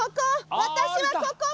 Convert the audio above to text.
私は、ここ！